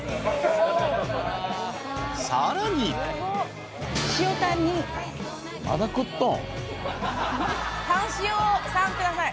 ［さらに］タン塩３下さい。